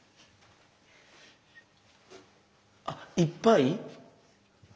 あっいっぱい？